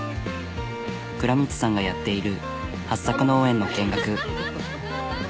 藏光さんがやっているハッサク農園の見学。